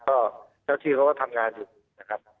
ก็เจ้าที่เขาก็ทำงานอยู่นะครับ